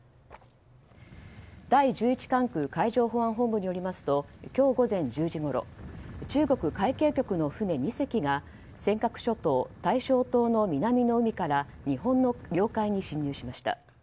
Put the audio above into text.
第１１管区海上保安本部によりますと今日午前１０時ごろ中国海警局の船２隻が尖閣諸島大正島の南の海から日本の領海に侵入しました。